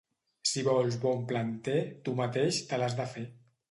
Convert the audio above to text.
Si vols bon planter, tu mateix te l'has de fer.